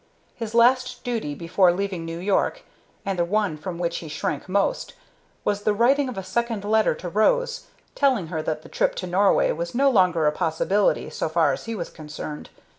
His last duty before leaving New York, and the one from which he shrank most, was the writing of a second letter to Rose, telling her that the trip to Norway was no longer a possibility, so far as he was concerned.